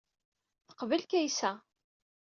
Teqbel Kaysa.